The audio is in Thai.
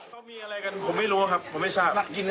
ตาหมวดชาญชายดรมันด้วย